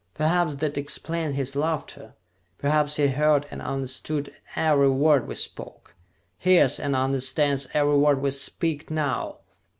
Perhaps that explains his laughter! Perhaps he heard and understood every word we spoke, hears and understands every word we speak now!